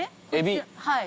はい。